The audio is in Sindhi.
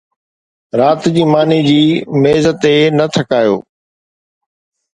رات جي ماني جي ميز تي نه ٿڪايو